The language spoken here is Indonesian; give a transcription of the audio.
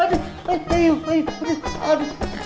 aduh aduh aduh